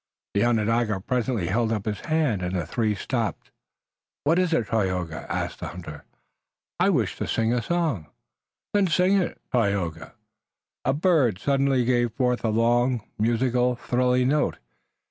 The Onondaga presently held up a hand and the three stopped. "What is it, Tayoga?" asked the hunter. "I wish to sing a song." "Then sing it, Tayoga." A bird suddenly gave forth a long, musical, thrilling note.